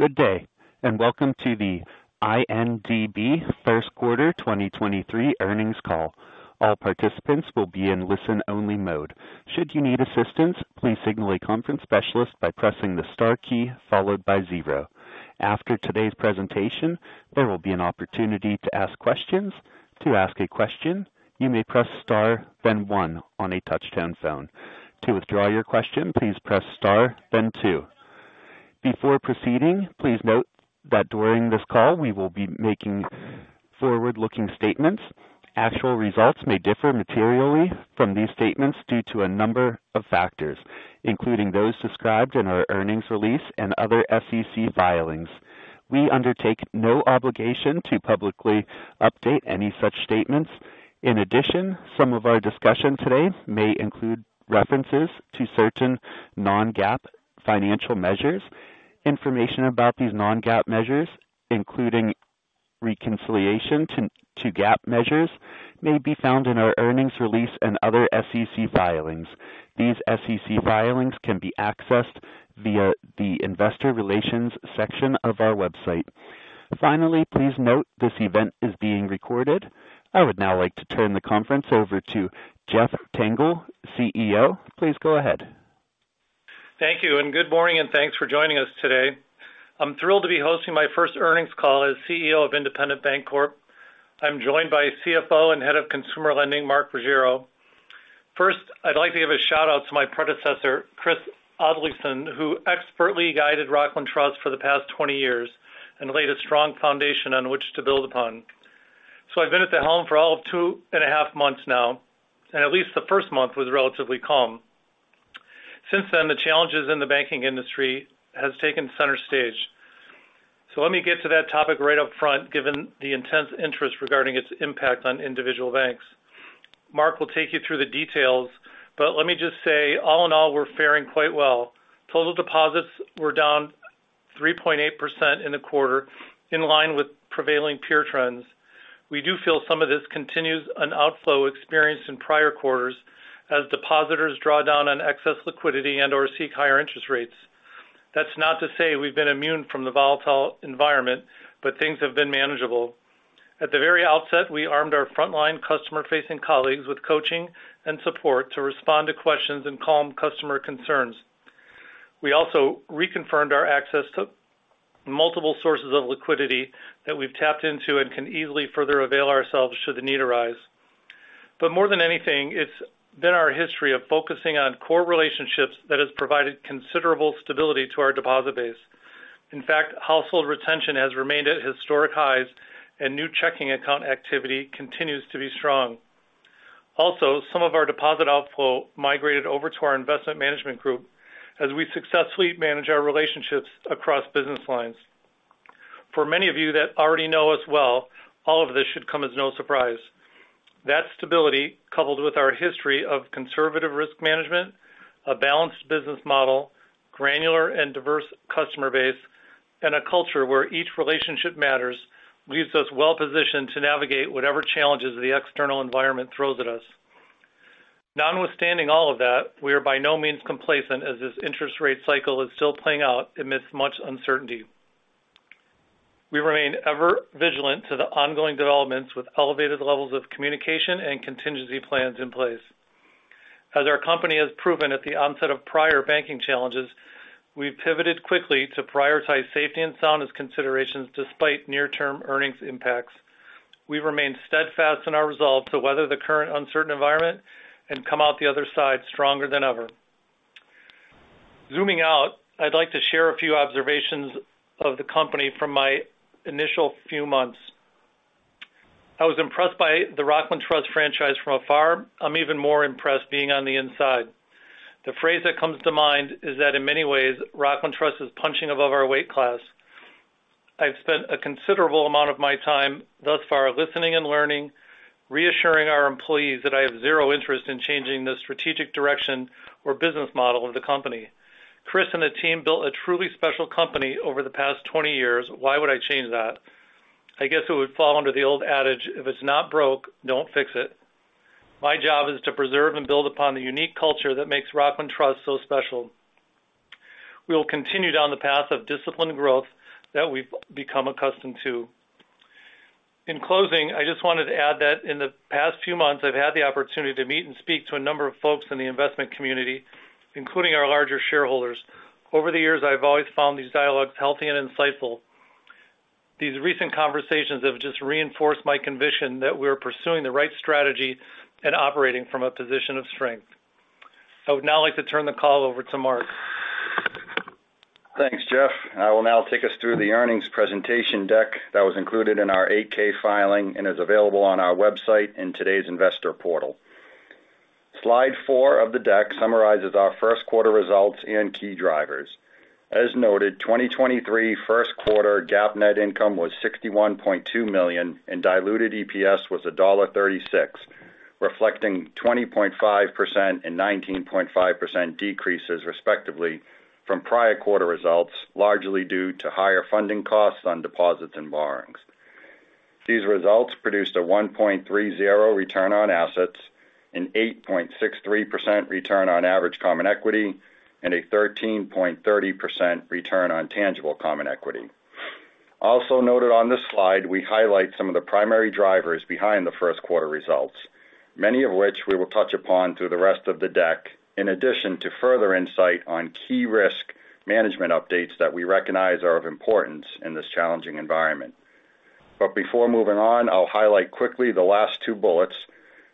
Good day. Welcome to the INDB first quarter 2023 earnings call. All participants will be in listen-only mode. Should you need assistance, please signal a conference specialist by pressing the star key followed by zero. After today's presentation, there will be an opportunity to ask questions. To ask a question, you may press star, then one on a touch-tone phone. To withdraw your question, please press star then two. Before proceeding, please note that during this call we will be making forward-looking statements. Actual results may differ materially from these statements due to a number of factors, including those described in our earnings release and other SEC filings. We undertake no obligation to publicly update any such statements. In addition, some of our discussion today may include references to certain non-GAAP financial measures. Information about these non-GAAP measures, including reconciliation to GAAP measures, may be found in our earnings release and other SEC filings. These SEC filings can be accessed via the investor relations section of our website. Finally, please note this event is being recorded. I would now like to turn the conference over to Jeffrey Tengel, CEO. Please go ahead. Thank you, good morning, and thanks for joining us today. I'm thrilled to be hosting my first earnings call as CEO of Independent Bank Corp. I'm joined by CFO and Head of Consumer Lending, Mark Ruggiero. First, I'd like to give a shout-out to my predecessor, Christopher Oddleifson, who expertly guided Rockland Trust for the past 20 years and laid a strong foundation on which to build upon. I've been at the helm for all of two and a half months now, and at least the first month was relatively calm. Since then, the challenges in the banking industry has taken center stage. Let me get to that topic right up front, given the intense interest regarding its impact on individual banks. Mark will take you through the details, but let me just say, all in all, we're faring quite well. Total deposits were down 3.8% in the quarter, in line with prevailing peer trends. We do feel some of this continues an outflow experienced in prior quarters as depositors draw down on excess liquidity and/or seek higher interest rates. That's not to say we've been immune from the volatile environment, but things have been manageable. At the very outset, we armed our frontline customer-facing colleagues with coaching and support to respond to questions and calm customer concerns. We also reconfirmed our access to multiple sources of liquidity that we've tapped into and can easily further avail ourselves should the need arise. More than anything, it's been our history of focusing on core relationships that has provided considerable stability to our deposit base. In fact, household retention has remained at historic highs, and new checking account activity continues to be strong. Also, some of our deposit outflow migrated over to our investment management group as we successfully manage our relationships across business lines. For many of you that already know us well, all of this should come as no surprise. That stability, coupled with our history of conservative risk management, a balanced business model, granular and diverse customer base, and a culture where each relationship matters, leaves us well positioned to navigate whatever challenges the external environment throws at us. Notwithstanding all of that, we are by no means complacent as this interest rate cycle is still playing out amidst much uncertainty. We remain ever vigilant to the ongoing developments with elevated levels of communication and contingency plans in place. As our company has proven at the onset of prior banking challenges, we've pivoted quickly to prioritize safety and soundness considerations despite near-term earnings impacts. We remain steadfast in our resolve to weather the current uncertain environment and come out the other side stronger than ever. Zooming out, I'd like to share a few observations of the company from my initial few months. I was impressed by the Rockland Trust franchise from afar. I'm even more impressed being on the inside. The phrase that comes to mind is that in many ways, Rockland Trust is punching above our weight class. I've spent a considerable amount of my time thus far listening and learning, reassuring our employees that I have zero interest in changing the strategic direction or business model of the company. Chris and the team built a truly special company over the past 20 years. Why would I change that? I guess it would fall under the old adage, if it's not broke, don't fix it. My job is to preserve and build upon the unique culture that makes Rockland Trust so special. We will continue down the path of disciplined growth that we've become accustomed to. In closing, I just wanted to add that in the past few months, I've had the opportunity to meet and speak to a number of folks in the investment community, including our larger shareholders. Over the years, I've always found these dialogues healthy and insightful. These recent conversations have just reinforced my conviction that we're pursuing the right strategy and operating from a position of strength. I would now like to turn the call over to Mark. Thanks, Jeff. I will now take us through the earnings presentation deck that was included in our 8-K filing and is available on our website in today's investor portal. Slide four of the deck summarizes our first quarter results and key drivers. As noted, 2023 first quarter GAAP net income was $61.2 million, and diluted EPS was $1.36, reflecting 20.5% and 19.5% decreases, respectively, from prior quarter results, largely due to higher funding costs on deposits and borrowings. These results produced a 1.30 Return on Assets, an 8.63% Return on Average Common Equity, and a 13.30% Return on Tangible Common Equity. Also noted on this slide, we highlight some of the primary drivers behind the first quarter results, many of which we will touch upon through the rest of the deck, in addition to further insight on key risk management updates that we recognize are of importance in this challenging environment. Before moving on, I'll highlight quickly the last two bullets,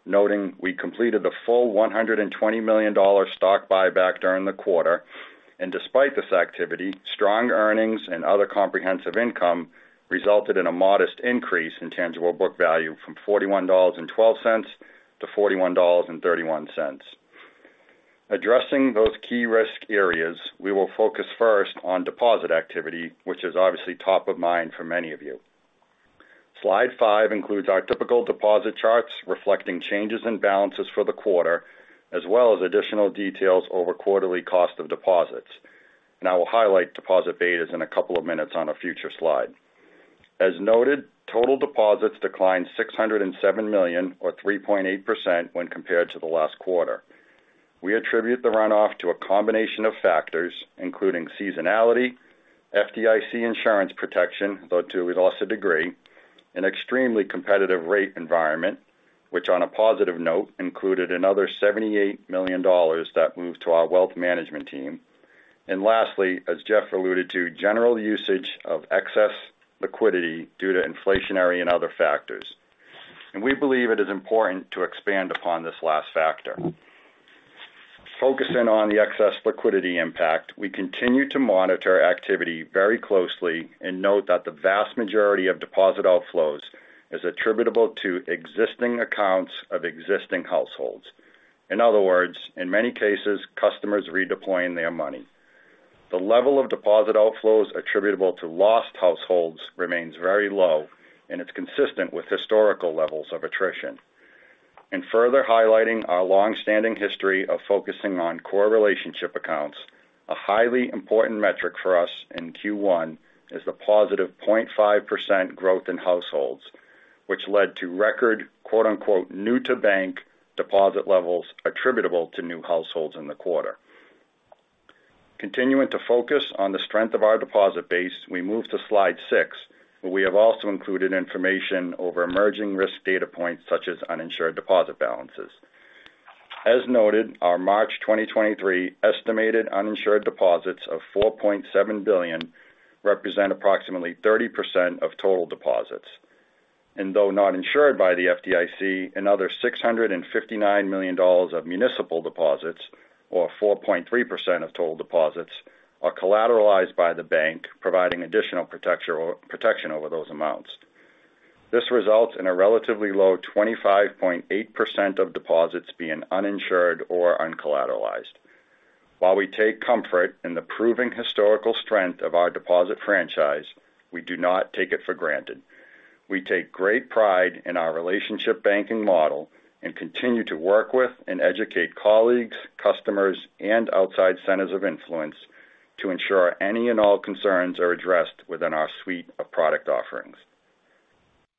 noting we completed the full $120 million stock buyback during the quarter. Despite this activity, strong earnings and other comprehensive income resulted in a modest increase in Tangible Book Value from $41.12 to $41.31. Addressing those key risk areas, we will focus first on deposit activity, which is obviously top of mind for many of you. Slide five includes our typical deposit charts reflecting changes in balances for the quarter, as well as additional details over quarterly cost of deposits. I will highlight deposit betas in a couple of minutes on a future slide. As noted, total deposits declined $607 million or 3.8% when compared to the last quarter. We attribute the runoff to a combination of factors, including seasonality, FDIC insurance protection, though to a loss of degree, an extremely competitive rate environment, which on a positive note, included another $78 million that moved to our wealth management team. Lastly, as Jeff alluded to, general usage of excess liquidity due to inflationary and other factors. We believe it is important to expand upon this last factor. Focusing on the excess liquidity impact, we continue to monitor activity very closely and note that the vast majority of deposit outflows is attributable to existing accounts of existing households. In other words, in many cases, customers redeploying their money. The level of deposit outflows attributable to lost households remains very low, and it's consistent with historical levels of attrition. Further highlighting our long-standing history of focusing on core relationship accounts, a highly important metric for us in Q1 is the positive 0.5% growth in households, which led to record quote-unquote new to bank deposit levels attributable to new households in the quarter. Continuing to focus on the strength of our deposit base, we move to slide six, where we have also included information over emerging risk data points such as uninsured deposit balances. As noted, our March 2023 estimated uninsured deposits of $4.7 billion represent approximately 30% of total deposits. Though not insured by the FDIC, another $659 million of municipal deposits, or 4.3% of total deposits, are collateralized by the bank, providing additional protection over those amounts. This results in a relatively low 25.8% of deposits being uninsured or uncollateralized. While we take comfort in the proven historical strength of our deposit franchise, we do not take it for granted. We take great pride in our relationship banking model and continue to work with and educate colleagues, customers, and outside centers of influence to ensure any and all concerns are addressed within our suite of product offerings.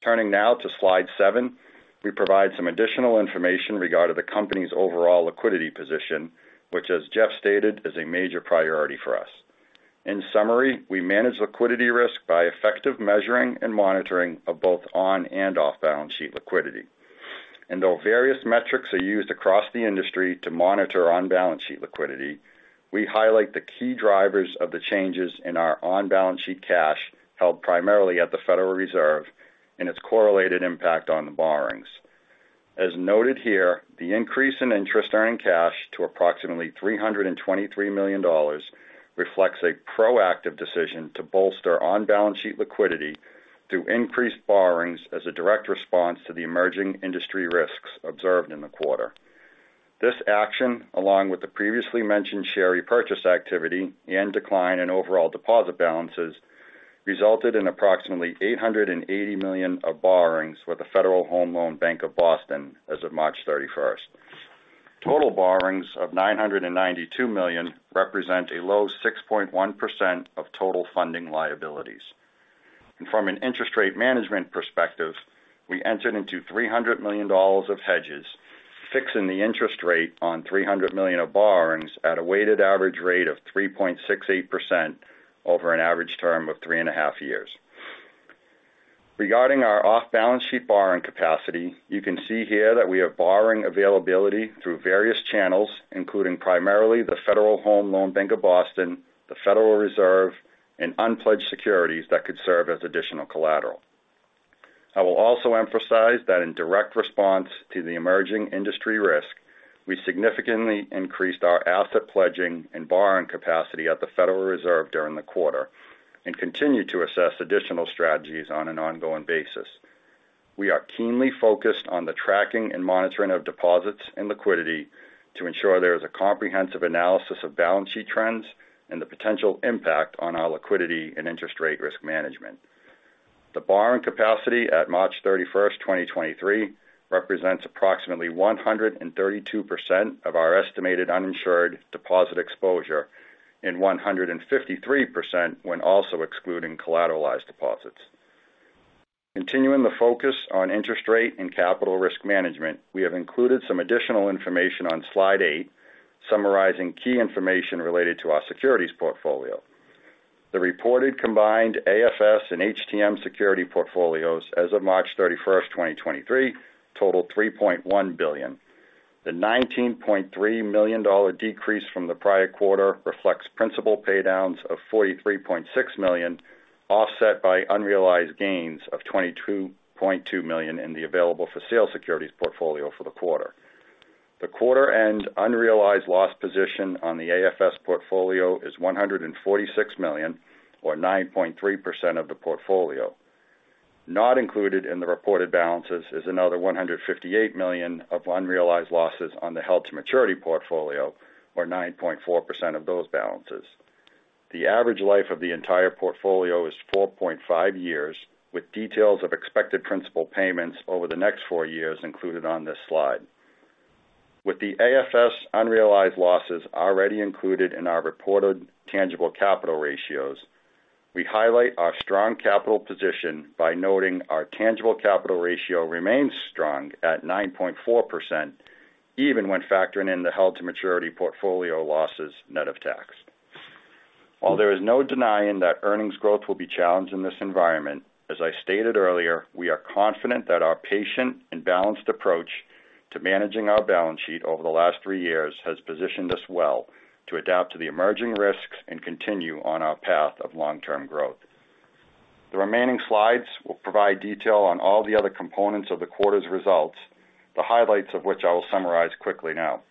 Turning now to slide seven, we provide some additional information regarding the company's overall liquidity position, which as Jeff stated, is a major priority for us. In summary we manage liquidity risk by effective measuring and monitoring a bolt on and off bound sheet liquidity and all various metrics are used across the industry to monitor on-balance sheet liquidity, we highlight the key drivers of the changes in our on-balance sheet cash held primarily at the Federal Reserve and its correlated impact on the borrowings. As noted here, the increase in interest earning cash to approximately $323 million reflects a proactive decision to bolster on-balance sheet liquidity through increased borrowings as a direct response to the emerging industry risks observed in the quarter. This action, along with the previously mentioned share repurchase activity and decline in overall deposit balances, resulted in approximately $880 million of borrowings with the Federal Home Loan Bank of Boston as of March 31st. Total borrowings of $992 million represent a low 6.1% of total funding liabilities. From an interest rate management perspective, we entered into $300 million of hedges, fixing the interest rate on $300 million of borrowings at a weighted average rate of 3.68% over an average term of three and a half years. Regarding our off-balance sheet borrowing capacity, you can see here that we have borrowing availability through various channels, including primarily the Federal Home Loan Bank of Boston, the Federal Reserve, and unpledged securities that could serve as additional collateral. I will also emphasize that in direct response to the emerging industry risk, we significantly increased our asset pledging and borrowing capacity at the Federal Reserve during the quarter and continue to assess additional strategies on an ongoing basis. We are keenly focused on the tracking and monitoring of deposits and liquidity to ensure there is a comprehensive analysis of balance sheet trends and the potential impact on our liquidity and interest rate risk management. The borrowing capacity at March 31st, 2023, represents approximately 132% of our estimated uninsured deposit exposure and 153% when also excluding collateralized deposits. Continuing the focus on interest rate and capital risk management, we have included some additional information on slide eight summarizing key information related to our securities portfolio. The reported combined AFS and HTM security portfolios as of March 31st, 2023, totaled $3.1 billion. The $19.3 million decrease from the prior quarter reflects principal pay downs of $43.6 million, offset by unrealized gains of $22.2 million in the available for sale securities portfolio for the quarter. The quarter-end unrealized loss position on the AFS portfolio is $146 million or 9.3% of the portfolio. Not included in the reported balances is another $158 million of unrealized losses on the held to maturity portfolio, or 9.4% of those balances. The average life of the entire portfolio is 4.5 years, with details of expected principal payments over the next four years included on this slide. With the AFS unrealized losses already included in our reported tangible capital ratios, we highlight our strong capital position by noting our Tangible Capital Ratio remains strong at 9.4% even when factoring in the held to maturity portfolio losses net of tax. While there is no denying that earnings growth will be challenged in this environment, as I stated earlier, we are confident that our patient and balanced approach to managing our balance sheet over the last three years has positioned us well to adapt to the emerging risks and continue on our path of long-term growth. The remaining slides will provide detail on all the other components of the quarter's results, the highlights of which I will summarize quickly now.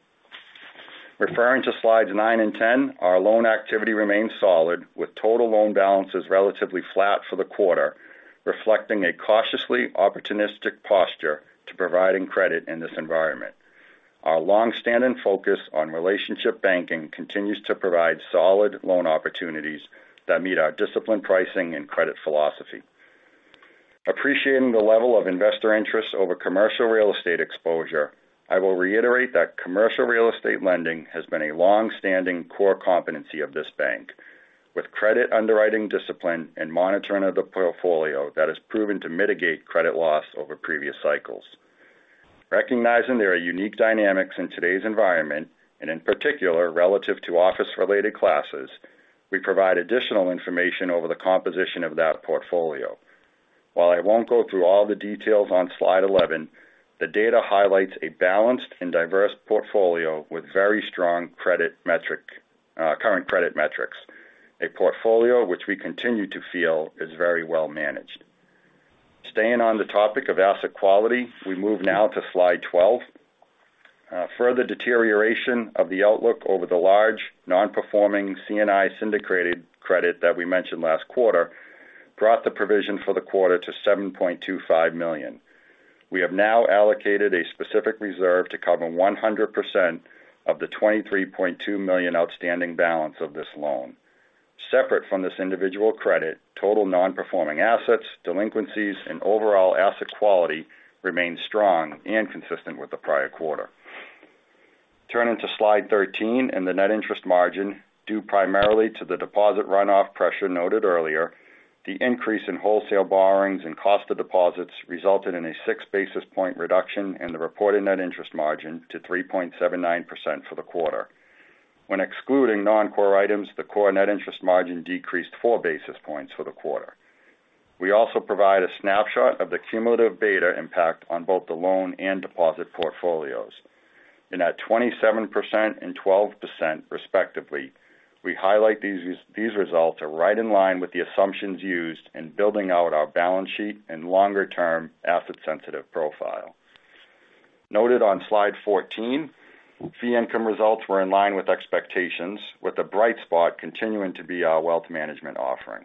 Referring to slides nine and 10, our loan activity remains solid, with total loan balances relatively flat for the quarter, reflecting a cautiously opportunistic posture to providing credit in this environment. Our long-standing focus on relationship banking continues to provide solid loan opportunities that meet our disciplined pricing and credit philosophy. Appreciating the level of investor interest over commercial real estate exposure, I will reiterate that commercial real estate lending has been a long-standing core competency of this bank, with credit underwriting discipline and monitoring of the portfolio that has proven to mitigate credit loss over previous cycles. Recognizing there are unique dynamics in today's environment, and in particular relative to office-related classes, we provide additional information over the composition of that portfolio. While I won't go through all the details on slide 11, the data highlights a balanced and diverse portfolio with very strong current credit metrics, a portfolio which we continue to feel is very well managed. Staying on the topic of asset quality, we move now to slide 12. Further deterioration of the outlook over the large non-performing C&I syndicated credit that we mentioned last quarter brought the provision for the quarter to $7.25 million. We have now allocated a specific reserve to cover 100% of the $23.2 million outstanding balance of this loan. Separate from this individual credit, total non-performing assets, delinquencies and overall asset quality remains strong and consistent with the prior quarter. Turning to slide 13 and the net interest margin. Due primarily to the deposit runoff pressure noted earlier, the increase in wholesale borrowings and cost of deposits resulted in a 6-basis point reduction in the reported net interest margin to 3.79% for the quarter. When excluding non-core items, the core net interest margin decreased 4 basis points for the quarter. We also provide a snapshot of the cumulative beta impact on both the loan and deposit portfolios. In at 27% and 12% respectively, we highlight these results are right in line with the assumptions used in building out our balance sheet and longer-term asset sensitive profile. Noted on slide 14, fee income results were in line with expectations, with the bright spot continuing to be our wealth management offering.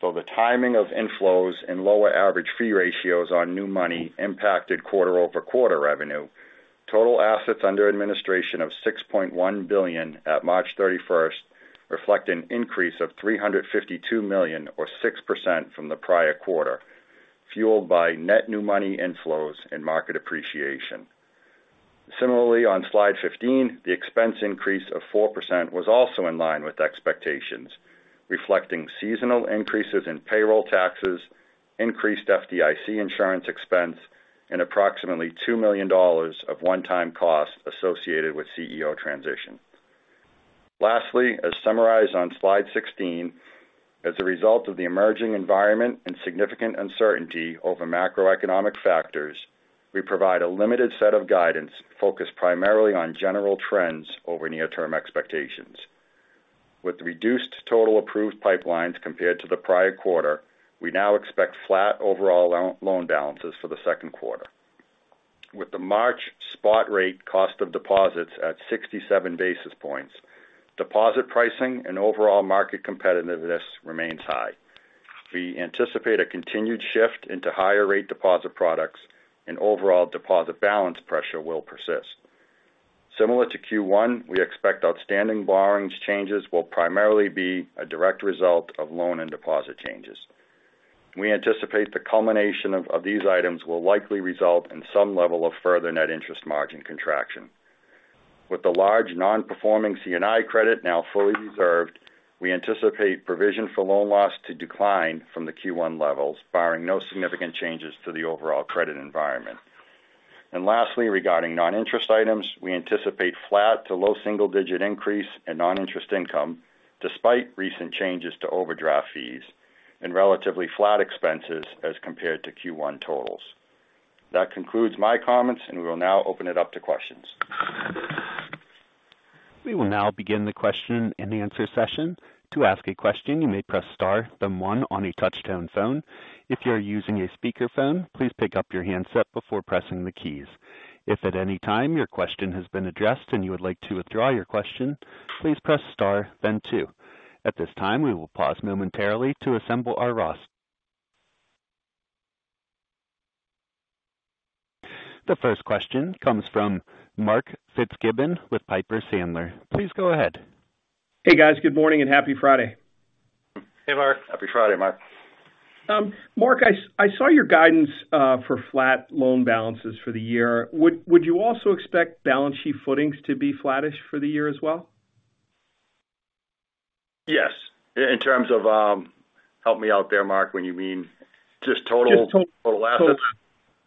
The timing of inflows and lower average fee ratios on new money impacted quarter-over-quarter revenue, total assets under administration of $6.1 billion at March 31st reflect an increase of $352 million or 6% from the prior quarter, fueled by net new money inflows and market appreciation. Similarly, on slide 15, the expense increase of 4% was also in line with expectations, reflecting seasonal increases in payroll taxes, increased FDIC insurance expense and approximately $2 million of one-time costs associated with CEO transition. Lastly, as summarized on slide 16, as a result of the emerging environment and significant uncertainty over macroeconomic factors, we provide a limited set of guidance focused primarily on general trends over near-term expectations. With reduced total approved pipelines compared to the prior quarter, we now expect flat overall loan balances for the second quarter. With the March spot rate cost of deposits at 67 basis points, deposit pricing and overall market competitiveness remains high. We anticipate a continued shift into higher rate deposit products and overall deposit balance pressure will persist. Similar to Q1, we expect outstanding borrowings changes will primarily be a direct result of loan and deposit changes. We anticipate the culmination of these items will likely result in some level of further net interest margin contraction. With the large non-performing C&I credit now fully reserved, we anticipate provision for loan loss to decline from the Q1 levels, barring no significant changes to the overall credit environment. Lastly, regarding non-interest items, we anticipate flat to low single-digit increase in non-interest income despite recent changes to overdraft fees and relatively flat expenses as compared to Q1 totals. That concludes my comments. We will now open it up to questions. We will now begin the question and answer session. To ask a question, you may press star then one on a touch-tone phone. If you are using a speakerphone, please pick up your handset before pressing the keys. If at any time your question has been addressed and you would like to withdraw your question, please press star then two. At this time, we will pause momentarily to assemble our roster. The first question comes from Mark Fitzgibbon with Piper Sandler. Please go ahead. Hey, guys. Good morning and happy Friday. Hey, Mark. Happy Friday, Mark. Mark, I saw your guidance for flat loan balances for the year. Would you also expect balance sheet footings to be flattish for the year as well? Yes. In terms of, help me out there, Mark, when you mean just total-. Just. Total assets?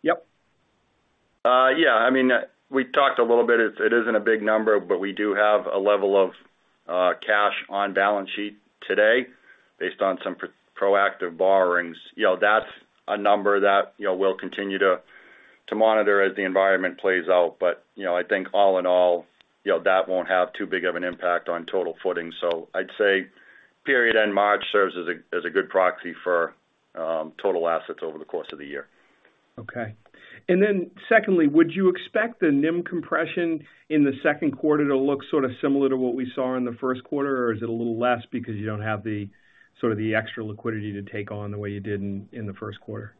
Yep. Yeah. I mean, we talked a little bit, it isn't a big number, but we do have a level of cash on balance sheet today based on some proactive borrowings. You know, that's a number that, you know, we'll continue to monitor as the environment plays out. I think all in all, you know, that won't have too big of an impact on total footing. I'd say period end March serves as a good proxy for total assets over the course of the year. Okay. Secondly, would you expect the NIM compression in the second quarter to look sort of similar to what we saw in the first quarter? Is it a little less because you don't have sort of the extra liquidity to take on the way you did in the first quarter?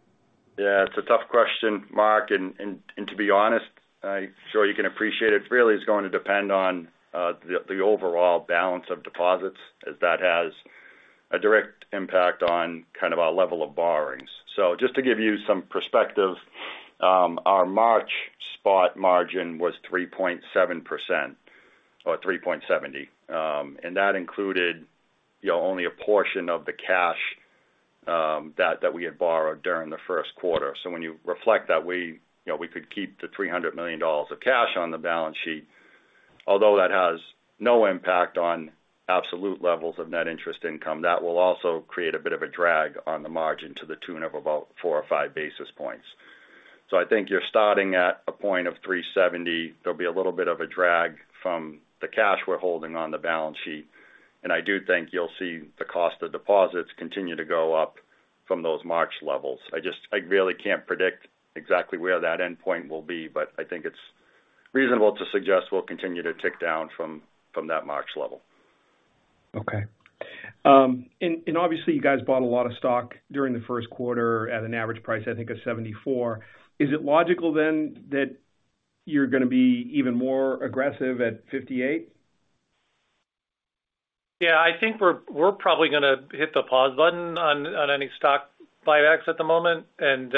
Yeah, it's a tough question, Mark. To be honest, I'm sure you can appreciate it, really is going to depend on the overall balance of deposits as that has a direct impact on kind of our level of borrowings. Just to give you some perspective, our March spot margin was 3.7%, or 3.70%. That included, you know, only a portion of the cash that we had borrowed during the first quarter. When you reflect that we, you know, we could keep the $300 million of cash on the balance sheet, although that has no impact on absolute levels of net interest income, that will also create a bit of a drag on the margin to the tune of about four or five basis points. I think you're starting at a point of 3.70. There'll be a little bit of a drag from the cash we're holding on the balance sheet. I do think you'll see the cost of deposits continue to go up from those March levels. I really can't predict exactly where that endpoint will be, but I think it's reasonable to suggest we'll continue to tick down from that March level. Okay. Obviously you guys bought a lot of stock during the first quarter at an average price, I think of $74. Is it logical then that you're gonna be even more aggressive at $58? Yeah, I think we're probably gonna hit the pause button on any stock buybacks at the moment and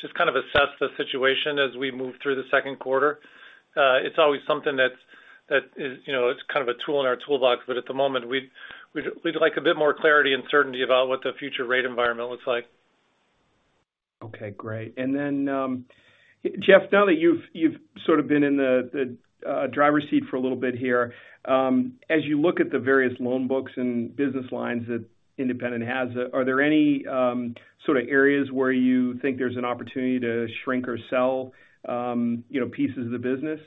just kind of assess the situation as we move through the second quarter. It's always something that is, you know, it's kind of a tool in our toolbox. At the moment, we'd like a bit more clarity and certainty about what the future rate environment looks like. Okay, great. Jeff, now that you've sort of been in the driver's seat for a little bit here, as you look at the various loan books and business lines that Independent has, are there any sort of areas where you think there's an opportunity to shrink or sell, you know, pieces of the business?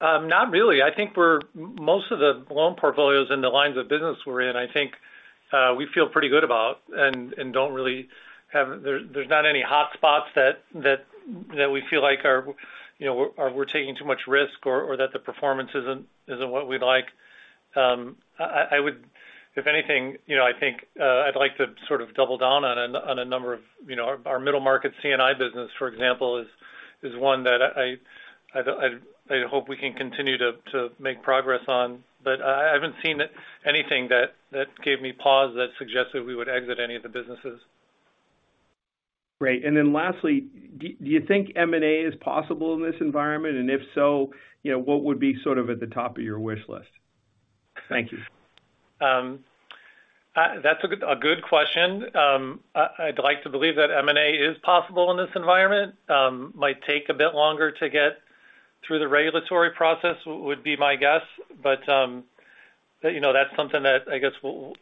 Not really. I think most of the loan portfolios in the lines of business we're in, I think we feel pretty good about and don't really have there's not any hotspots that we feel like are, you know, we're taking too much risk or that the performance isn't what we'd like. I would if anything, you know, I think I'd like to sort of double down on a number of, you know, our middle market C&I business, for example, is one that I'd hope we can continue to make progress on. I haven't seen anything that gave me pause that suggests that we would exit any of the businesses. Great. Then lastly, do you think M&A is possible in this environment? If so, you know, what would be sort of at the top of your wish list? Thank you. That's a good question. I'd like to believe that M&A is possible in this environment. Might take a bit longer to get through the regulatory process, would be my guess. You know, that's something that I guess we'll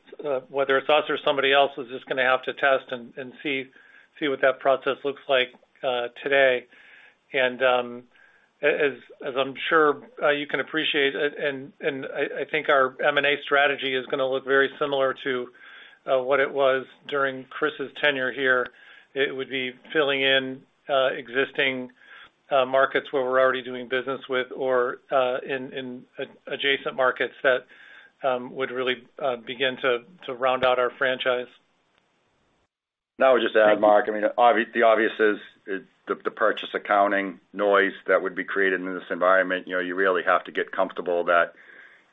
whether it's us or somebody else is just gonna have to test and see what that process looks like today. As I'm sure you can appreciate, and I think our M&A strategy is gonna look very similar to what it was during Chris's tenure here. It would be filling in existing markets where we're already doing business with or in adjacent markets that would really begin to round out our franchise. I would just add, Mark, I mean, the obvious is the purchase accounting noise that would be created in this environment. You know, you really have to get comfortable that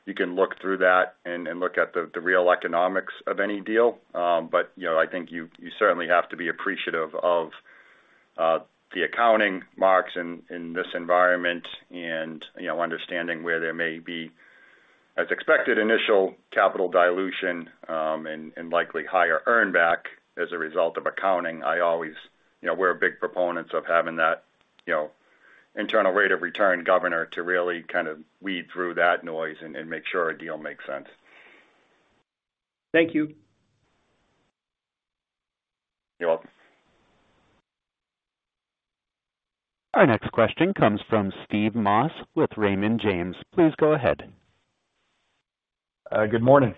you can look through that and look at the real economics of any deal. You know, I think you certainly have to be appreciative of the accounting marks in this environment and, you know, understanding where there may be as expected initial capital dilution and likely higher earn back as a result of accounting. I always, you know, we're big proponents of having that, you know, internal rate of return governor to really kind of weed through that noise and make sure a deal makes sense. Thank you. You're welcome. Our next question comes from Steve Moss with Raymond James. Please go ahead. Good morning.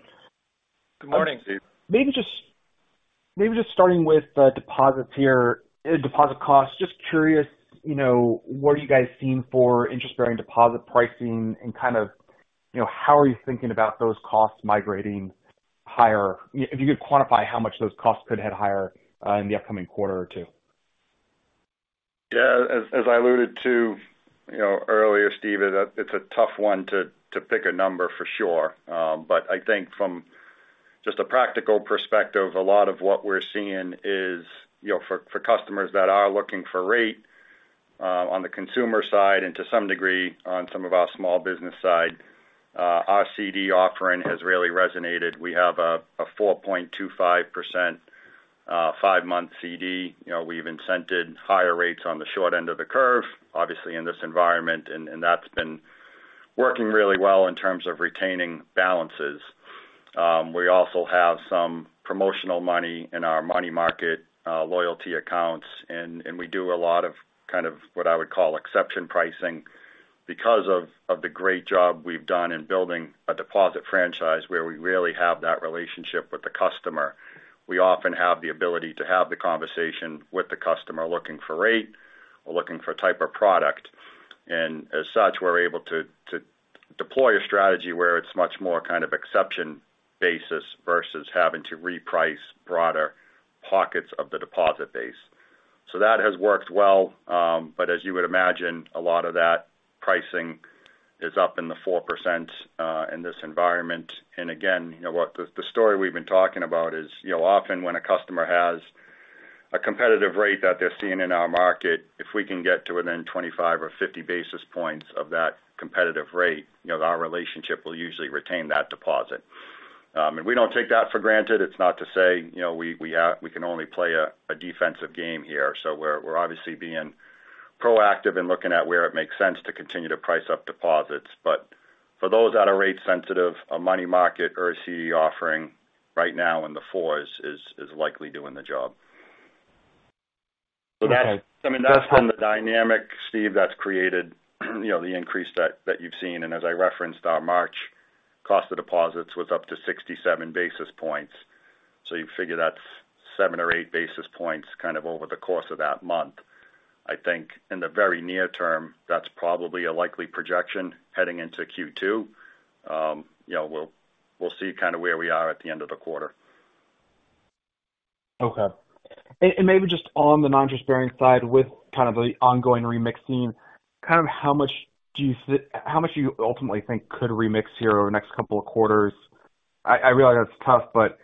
Good morning, Steve. Maybe just starting with the deposits here, deposit costs. Just curious, you know, what are you guys seeing for interest-bearing deposit pricing? kind of, you know, how are you thinking about those costs migrating higher? If you could quantify how much those costs could head higher in the upcoming quarter or two. As I alluded to, you know, earlier, Steve, it's a tough one to pick a number for sure. But I think from just a practical perspective, a lot of what we're seeing is, you know, for customers that are looking for rate on the consumer side and to some degree on some of our small business side, our CD offering has really resonated. We have a 4.25%, five-month CD. You know, we've incented higher rates on the short end of the curve, obviously in this environment, and that's been working really well in terms of retaining balances. We also have some promotional money in our money market loyalty accounts, and we do a lot of kind of what I would call exception pricing. Because of the great job we've done in building a deposit franchise where we really have that relationship with the customer, we often have the ability to have the conversation with the customer looking for rate or looking for type of product. As such, we're able to deploy a strategy where it's much more kind of exception basis versus having to reprice broader pockets of the deposit base. That has worked well. As you would imagine, a lot of that pricing is up in the 4%, in this environment. Again, you know what, the story we've been talking about is, you know, often when a customer has a competitive rate that they're seeing in our market, if we can get to within 25 or 50 basis points of that competitive rate, you know, our relationship will usually retain that deposit. We don't take that for granted. It's not to say, you know, we can only play a defensive game here. We're obviously being proactive in looking at where it makes sense to continue to price up deposits. For those that are rate sensitive, a money market or a CD offering right now in the fours is likely doing the job. Okay. I mean, that's been the dynamic, Steve, that's created, you know, the increase that you've seen. As I referenced, our March cost of deposits was up to 67 basis points. You figure that's 7 or 8 basis points kind of over the course of that month. I think in the very near term, that's probably a likely projection heading into Q2. you know, we'll see kind of where we are at the end of the quarter. Okay. Maybe just on the non-interest-bearing side with kind of the ongoing remixing, kind of how much do you ultimately think could remix here over the next couple of quarters? I realize that's tough, but,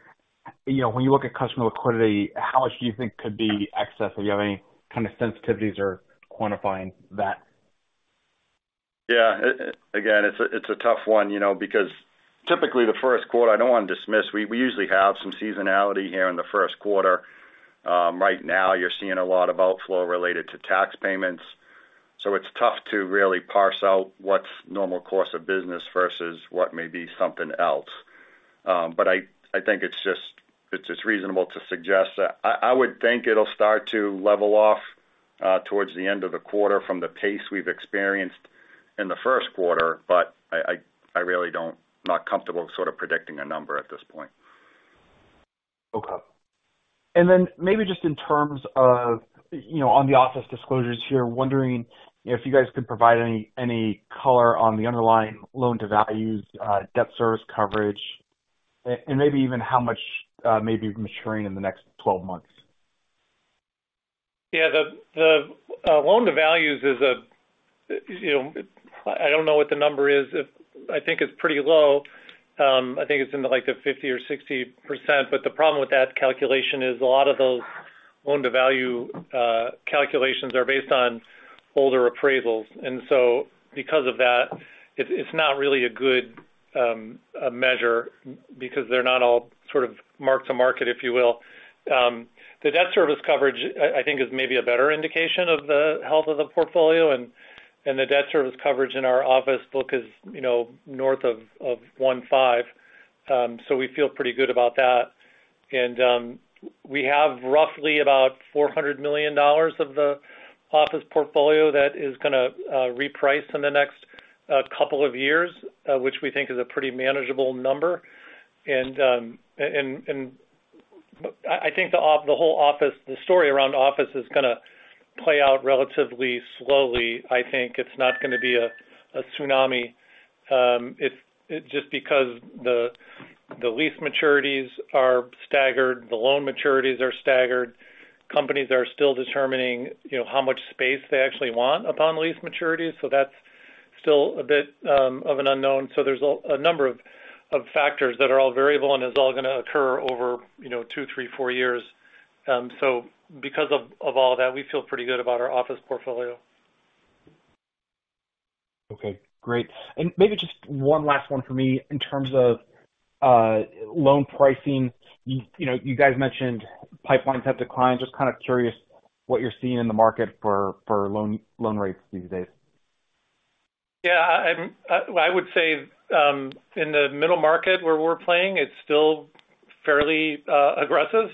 you know, when you look at customer liquidity, how much do you think could be excess? Or do you have any kind of sensitivities or quantifying that? Yeah. Again, it's a tough one, you know, because typically the first quarter I don't want to dismiss. We usually have some seasonality here in the first quarter. Right now you're seeing a lot of outflow related to tax payments, so it's tough to really parse out what's normal course of business versus what may be something else. I think it's just reasonable to suggest that. I would think it'll start to level off towards the end of the quarter from the pace we've experienced in the first quarter. I really don't. Not comfortable sort of predicting a number at this point. Okay. Maybe just in terms of, you know, on the office disclosures here, wondering if you guys could provide any color on the underlying loan-to-values, debt service coverage, and maybe even how much may be maturing in the next 12 months. Yeah. The, the loan-to-values is a, you know, I don't know what the number is. I think it's pretty low. I think it's in the like the 50% or 60%. The problem with that calculation is a lot of those loan-to-value calculations are based on older appraisals. Because of that, it's not really a good measure because they're not all sort of mark-to-market, if you will. The debt service coverage I think is maybe a better indication of the health of the portfolio. The debt service coverage in our office book is, you know, north of 1.5 we feel pretty good about that. We have roughly about $400 million of the office portfolio that is gonna reprice in the next couple of years, which we think is a pretty manageable number. I think the whole office, the story around office is gonna play out relatively slowly. I think it's not gonna be a tsunami if just because the lease maturities are staggered. The loan maturities are staggered. Companies are still determining, you know, how much space they actually want upon lease maturities. That's still a bit of an unknown. There's a number of factors that are all variable and is all gonna occur over, you know, two, three, four years. Because of all that, we feel pretty good about our office portfolio. Okay, great. Maybe just one last one for me in terms of loan pricing. You know, you guys mentioned pipelines have declined. Just kind of curious what you're seeing in the market for loan rates these days? Yeah. I would say, in the middle market where we're playing, it's still fairly aggressive.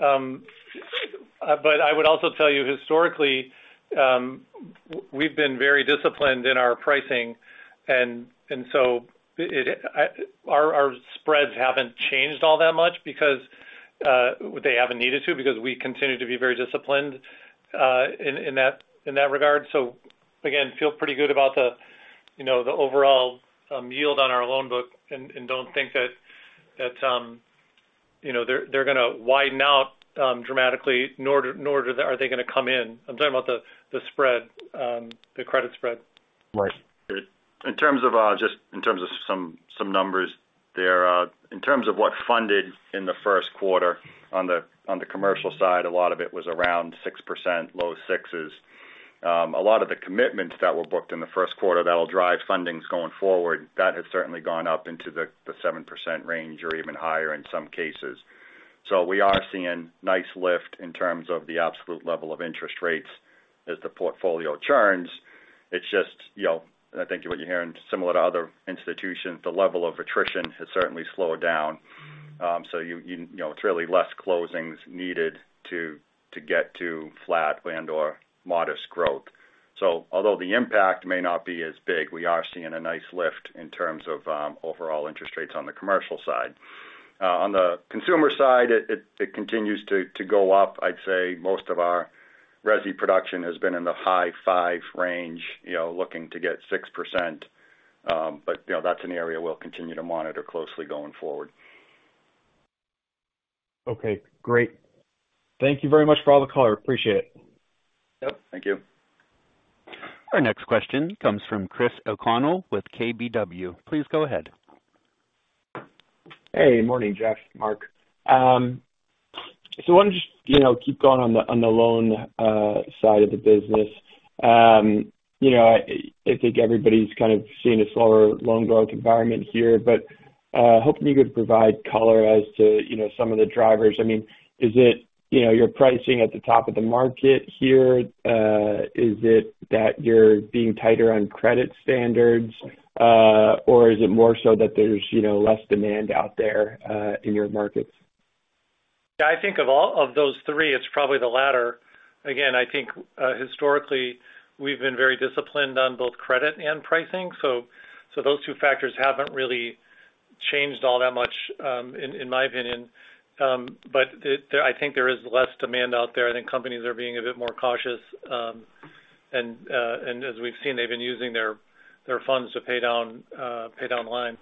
I would also tell you historically, we've been very disciplined in our pricing. Our spreads haven't changed all that much because they haven't needed to, because we continue to be very disciplined in that regard. Again, feel pretty good about the, you know, the overall yield on our loan book and don't think that, you know, they're gonna widen out dramatically, nor are they gonna come in. I'm talking about the credit spread. Right. In terms of, just in terms of some numbers there. In terms of what funded in the first quarter on the, on the commercial side, a lot of it was around 6%, low six's. A lot of the commitments that were booked in the 1st quarter that'll drive fundings going forward, that has certainly gone up into the 7% range or even higher in some cases. We are seeing nice lift in terms of the absolute level of interest rates as the portfolio churns. It's just, you know, I think what you're hearing similar to other institutions, the level of attrition has certainly slowed down. You know, it's really less closings needed to get to flat land or modest growth. Although the impact may not be as big, we are seeing a nice lift in terms of overall interest rates on the commercial side. On the consumer side, it continues to go up. I'd say most of our resi production has been in the high five range, you know, looking to get 6%. You know, that's an area we'll continue to monitor closely going forward. Okay, great. Thank you very much for all the color. Appreciate it. Yep, thank you. Our next question comes from Christopher O'Connell with KBW. Please go ahead. Hey. Morning, Jeff, Mark. I want to just, you know, keep going on the loan side of the business. You know, I think everybody's kind of seeing a slower loan growth environment here, but hoping you could provide color as to, you know, some of the drivers. I mean, is it, you know, you're pricing at the top of the market here? Is it that you're being tighter on credit standards? Is it more so that there's, you know, less demand out there in your markets? Yeah. I think of all of those three, it's probably the latter. I think, historically, we've been very disciplined on both credit and pricing. Those two factors haven't really changed all that much, in my opinion. I think there is less demand out there. I think companies are being a bit more cautious. As we've seen, they've been using their funds to pay down, pay down the line.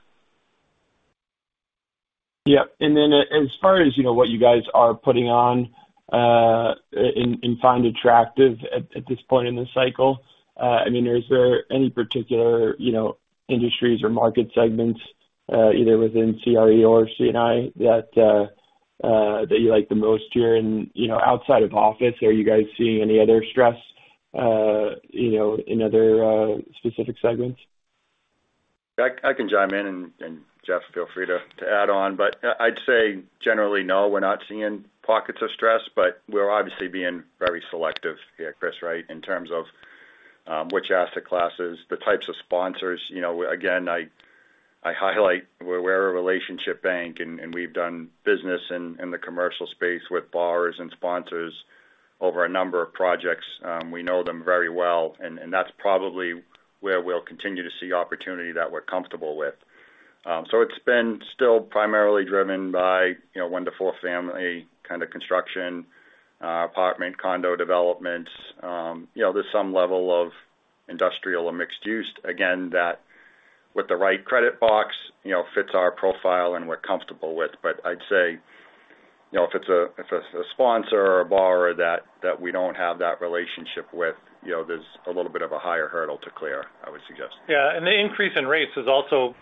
Yeah. Then as far as you know, what you guys are putting on, and find attractive at this point in the cycle. I mean, is there any particular, you know, industries or market segments, either within CRE or C&I that you like the most here in, you know, outside of office, are you guys seeing any other stress, you know, in other, specific segments? I can chime in and Jeff feel free to add on, but I'd say generally, no, we're not seeing pockets of stress, but we're obviously being very selective here, Chris, right? In terms of which asset classes, the types of sponsors. You know, again, I highlight we're a relationship bank and we've done business in the commercial space with borrowers and sponsors over a number of projects. We know them very well, and that's probably where we'll continue to see opportunity that we're comfortable with. So it's been still primarily driven by, you know, one to four family kind of construction, apartment, condo developments. You know, there's some level of industrial and mixed use, again, that with the right credit box, you know, fits our profile and we're comfortable with. I'd say, you know, if it's a sponsor or a borrower that we don't have that relationship with, you know, there's a little bit of a higher hurdle to clear, I would suggest. Yeah. The increase in rates has also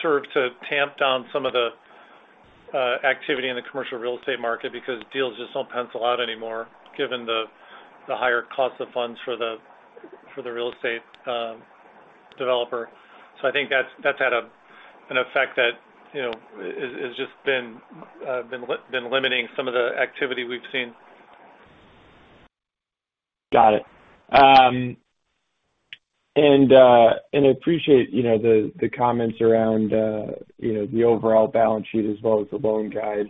served to tamp down some of the activity in the commercial real estate market because deals just don't pencil out anymore, given the higher cost of funds for the real estate developer. I think that's had an effect that, you know, has just been limiting some of the activity we've seen. Got it. I appreciate, you know, the comments around, you know, the overall balance sheet as well as the loan guide.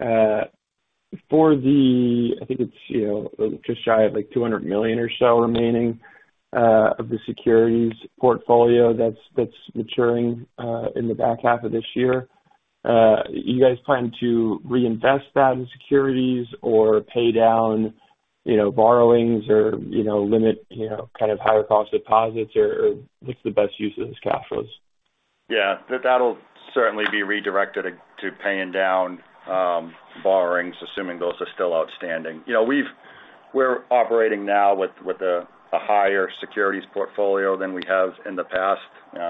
I think it's, you know, just shy of, like, $200 million or so remaining, of the securities portfolio that's maturing, in the back half of this year. You guys plan to reinvest that in securities or pay down you know, borrowings or, you know, limit, you know, kind of higher cost deposits or what's the best use of those cash flows? Yeah. That'll certainly be redirected to paying down borrowings, assuming those are still outstanding. You know, we're operating now with a higher securities portfolio than we have in the past.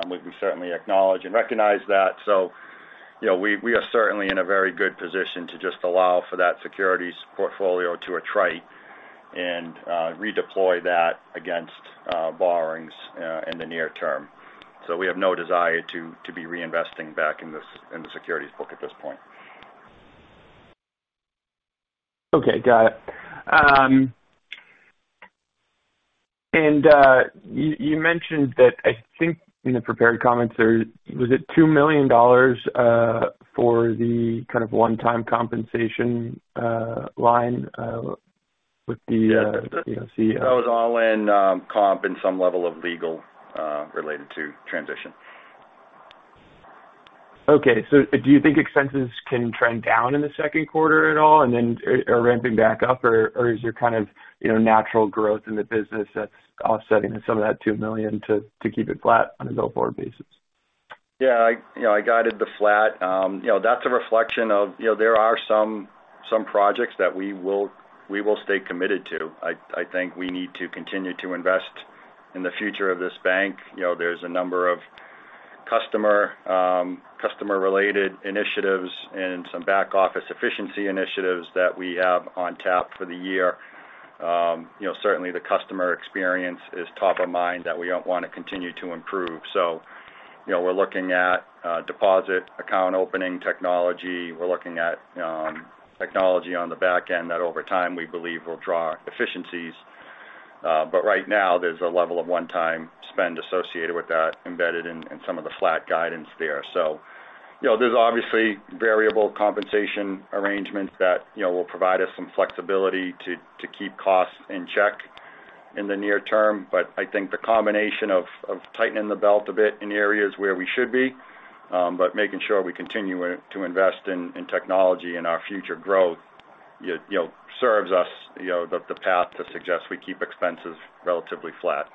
We certainly acknowledge and recognize that. You know, we are certainly in a very good position to just allow for that securities portfolio to attrite and redeploy that against borrowings in the near term. We have no desire to be reinvesting back in the securities book at this point. Okay. Got it. You mentioned that, I think in the prepared comments, or was it $2 million for the kind of one-time compensation line with the CFC? That was all in, comp and some level of legal, related to transition. Do you think expenses can trend down in the second quarter at all and then are ramping back up? Or is your kind of, you know, natural growth in the business that's offsetting some of that $2 million to keep it flat on a go-forward basis? Yeah, I, you know, I guided the flat. You know, that's a reflection of, you know, there are some projects that we will stay committed to. I think we need to continue to invest in the future of this bank. You know, there's a number of customer-related initiatives and some back-office efficiency initiatives that we have on tap for the year. You know, certainly the customer experience is top of mind that we don't want to continue to improve. You know, we're looking at deposit account opening technology. We're looking at technology on the back end that over time we believe will draw efficiencies. Right now, there's a level of one-time spend associated with that embedded in some of the flat guidance there. You know, there's obviously variable compensation arrangements that, you know, will provide us some flexibility to keep costs in check in the near term. I think the combination of tightening the belt a bit in areas where we should be, but making sure we continue to invest in technology and our future growth, you know, serves us, you know, the path to suggest we keep expenses relatively flat.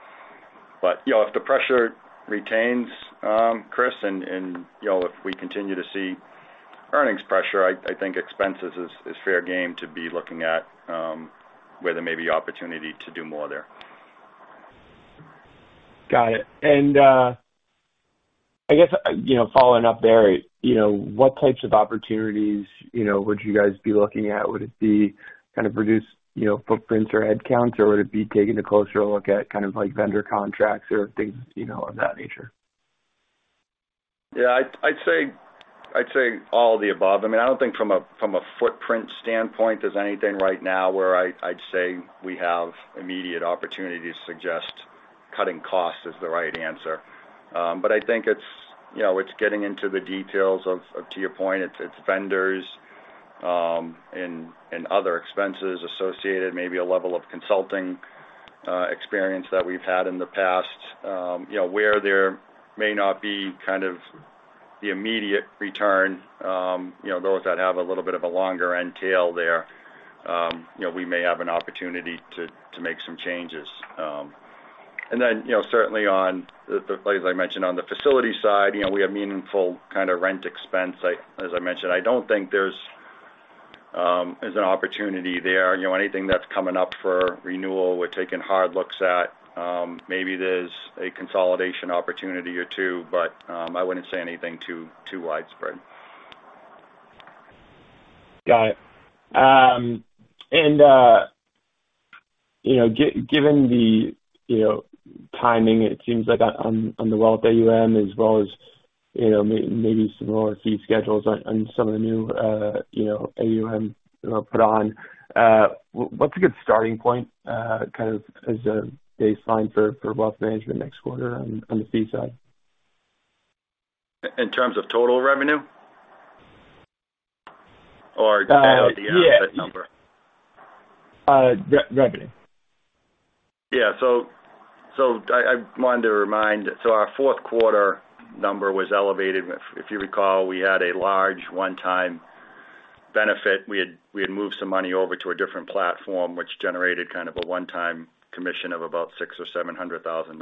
You know, if the pressure retains, Chris, and, you know, if we continue to see earnings pressure, I think expenses is fair game to be looking at, where there may be opportunity to do more there. Got it. I guess, you know, following up there, you know, what types of opportunities, you know, would you guys be looking at? Would it be kind of reduce, you know, footprints or headcounts, or would it be taking a closer look at kind of like vendor contracts or things, you know, of that nature? Yeah. I'd say all of the above. I mean, I don't think from a footprint standpoint, there's anything right now where I'd say we have immediate opportunity to suggest cutting costs is the right answer. I think it's, you know, it's getting into the details of to your point, it's vendors, and other expenses associated, maybe a level of consulting experience that we've had in the past, you know, where there may not be kind of the immediate return, you know, those that have a little bit of a longer end tail there. You know, we may have an opportunity to make some changes. You know, certainly on the, as I mentioned, on the facility side, you know, we have meaningful kind of rent expense. As I mentioned, I don't think there's an opportunity there. You know, anything that's coming up for renewal, we're taking hard looks at, maybe there's a consolidation opportunity or two, but I wouldn't say anything too widespread. Got it. You know, given the, you know, timing, it seems like on the wealth AUM as well as, you know, maybe some lower fee schedules on some of the new, you know, AUM, you know, put on, what's a good starting point, kind of as a baseline for wealth management next quarter on the fee side? In terms of total revenue or just the asset number? Revenue. Yeah. I wanted to remind. Our fourth quarter number was elevated. If you recall, we had a large one-time benefit. We had moved some money over to a different platform, which generated kind of a one-time commission of about $600,000-$700,000.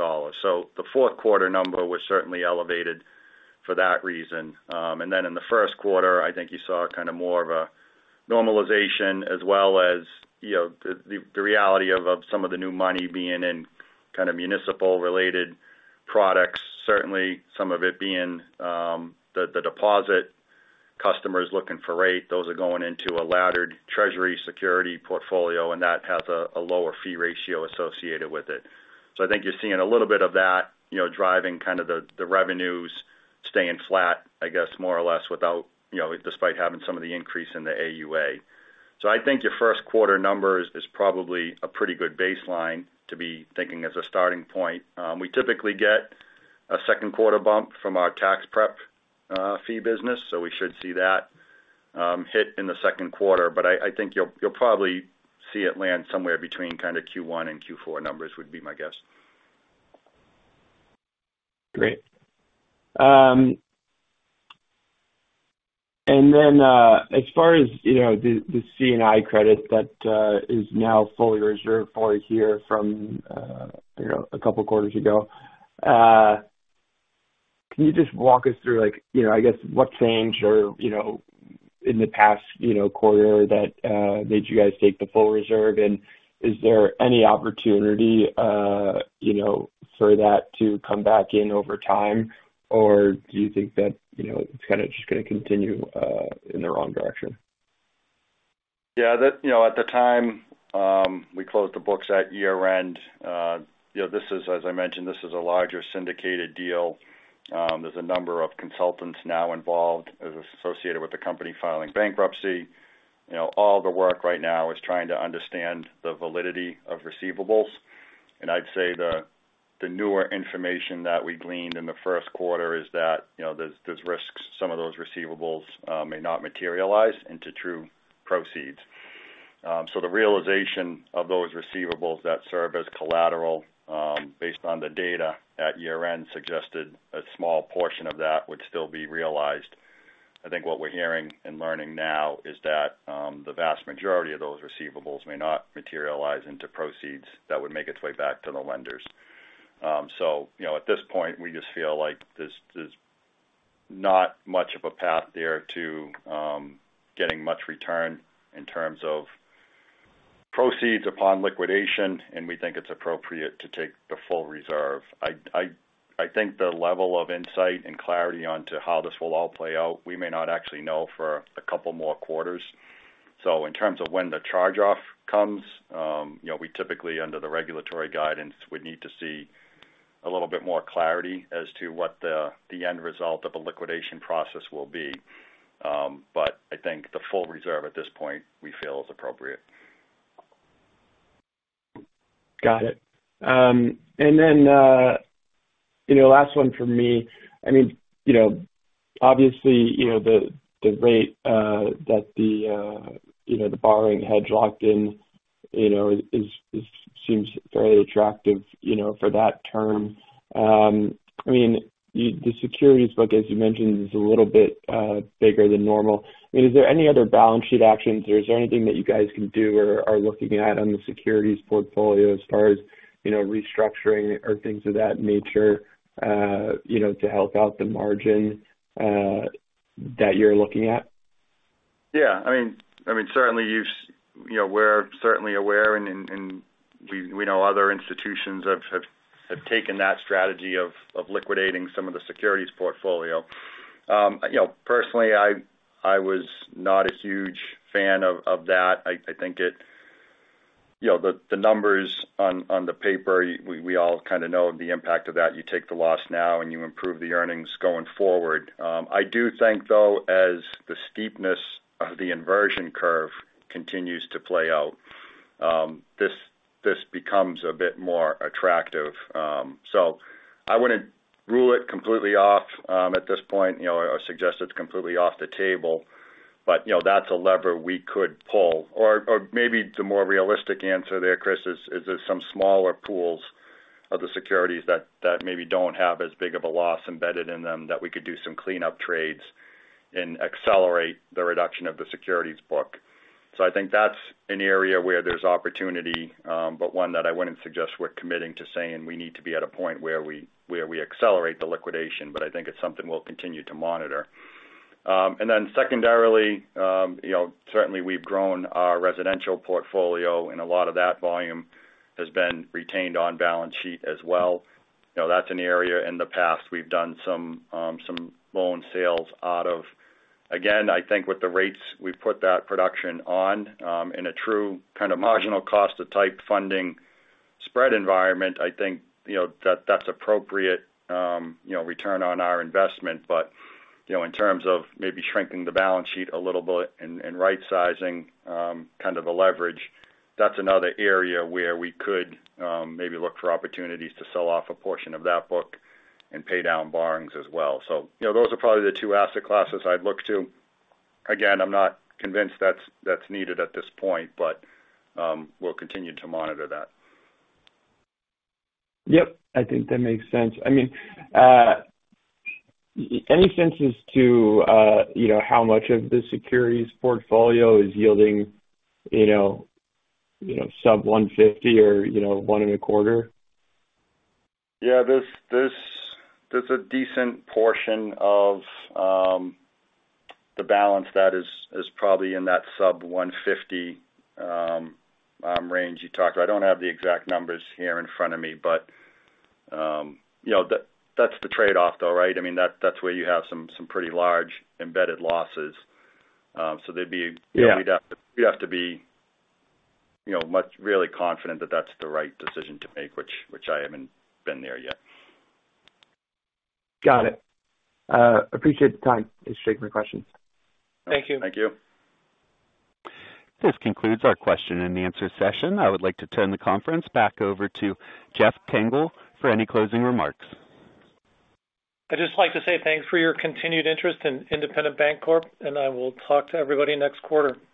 The fourth quarter number was certainly elevated for that reason. In the first quarter, I think you saw kind of more of a normalization as well as, you know, the reality of some of the new money being in kind of municipal related products. Certainly, some of it being the deposit customers looking for rate. Those are going into a laddered treasury security portfolio, and that has a lower fee ratio associated with it. I think you're seeing a little bit of that, you know, driving kind of the revenues staying flat, I guess, more or less without, you know, despite having some of the increase in the AUA. I think your first quarter numbers is probably a pretty good baseline to be thinking as a starting point. We typically get a second quarter bump from our tax prep, fee business, so we should see that hit in the second quarter. I think you'll probably see it land somewhere between kind of Q1 and Q4 numbers would be my guess. Great. As far as, you know, the C&I credit that is now fully reserved for here from, you know, a couple quarters ago. Can you just walk us through, like, you know, I guess what changed or, you know, in the past, you know, quarter that made you guys take the full reserve? Is there any opportunity, you know, for that to come back in over time? Do you think that, you know, it's kinda just gonna continue in the wrong direction? Yeah, you know, at the time, we closed the books at year-end. You know, this is, as I mentioned, this is a larger syndicated deal. There's a number of consultants now involved as associated with the company filing bankruptcy. You know, all the work right now is trying to understand the validity of receivables. I'd say the newer information that we gleaned in the first quarter is that, you know, there's risks some of those receivables may not materialize into true proceeds. The realization of those receivables that serve as collateral, based on the data at year-end, suggested a small portion of that would still be realized. I think what we're hearing and learning now is that the vast majority of those receivables may not materialize into proceeds that would make its way back to the lenders. You know, at this point, we just feel like there's not much of a path there to getting much return in terms of proceeds upon liquidation, and we think it's appropriate to take the full reserve. I think the level of insight and clarity onto how this will all play out, we may not actually know for a couple more quarters. In terms of when the charge-off comes, you know, we typically, under the regulatory guidance, would need to see a little bit more clarity as to what the end result of a liquidation process will be. I think the full reserve at this point we feel is appropriate. Got it. Then, you know, last one for me. I mean, you know, obviously, you know, the rate that the, you know, the borrowing had locked in, you know, is, seems very attractive, you know, for that term. I mean, the securities book, as you mentioned, is a little bit bigger than normal. I mean, is there any other balance sheet actions, or is there anything that you guys can do or are looking at on the securities portfolio as far as, you know, restructuring or things of that nature, you know, to help out the margin that you're looking at? Yeah. I mean, certainly you've. You know, we're certainly aware and we know other institutions have taken that strategy of liquidating some of the securities portfolio. You know, personally, I was not a huge fan of that. I think it. You know, the numbers on the paper, we all kinda know the impact of that. You take the loss now and you improve the earnings going forward. I do think though, as the steepness of the inversion curve continues to play out, this becomes a bit more attractive. I wouldn't rule it completely off at this point, you know, or suggest it's completely off the table. You know, that's a lever we could pull. Maybe the more realistic answer there, Chris, is there's some smaller pools of the securities that maybe don't have as big of a loss embedded in them that we could do some cleanup trades and accelerate the reduction of the securities book. I think that's an area where there's opportunity, but one that I wouldn't suggest we're committing to saying we need to be at a point where we accelerate the liquidation, but I think it's something we'll continue to monitor. Secondarily, you know, certainly we've grown our residential portfolio and a lot of that volume has been retained on balance sheet as well. You know, that's an area in the past we've done some loan sales out of. I think with the rates we've put that production on, in a true kind of marginal cost of type funding spread environment, I think, you know, that's appropriate, you know, return on our investment. You know, in terms of maybe shrinking the balance sheet a little bit and right sizing, kind of the leverage, that's another area where we could, maybe look for opportunities to sell off a portion of that book and pay down borrowings as well. You know, those are probably the two asset classes I'd look to. I'm not convinced that's needed at this point, but, we'll continue to monitor that. Yep, I think that makes sense. I mean, any senses to, you know, how much of the securities portfolio is yielding, you know, sub 150 or, you know, one and a quarter? Yeah. There's a decent portion of the balance that is probably in that sub 150 range you talked. I don't have the exact numbers here in front of me, but you know, that's the trade-off though, right? I mean, that's where you have some pretty large embedded losses. There'd be. Yeah. You know, we'd have to be, you know, much really confident that that's the right decision to make, which I haven't been there yet. Got it. Appreciate the time. That's it for my questions. Thank you. This concludes our question-and-answer session. I would like to turn the conference back over to Jeff Tengel for any closing remarks. I'd just like to say thanks for your continued interest in Independent Bank Corp, and I will talk to everybody next quarter.